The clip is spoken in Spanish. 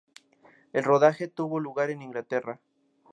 El rodaje tuvo lugar en Inglaterra.